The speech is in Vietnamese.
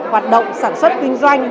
hoạt động sản xuất kinh doanh